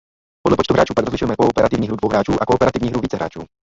Podle počtu hráčů pak rozlišujeme kooperativní hru dvou hráčů a kooperativní hru více hráčů.